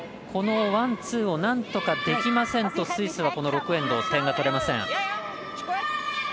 このワン、ツーをなんとかできませんとスイスは、この６エンド点が取れません。